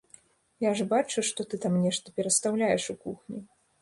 Я ж бачу, што ты там нешта перастаўляеш у кухні.